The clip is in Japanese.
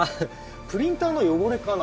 プリンターの汚れかな。